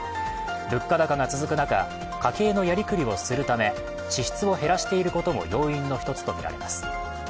物価高が続く中、家計のやり繰りをするため支出を減らしていることも要因の一つとみられます。